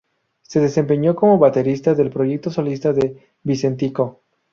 Se desempeñó como baterista del proyecto solista de Vicentico.